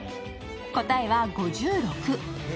答えは５６。